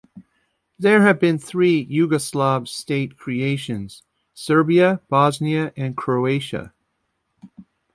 There have been..three Yugoslav state creations—Serbia, Bosnia, and Croatia.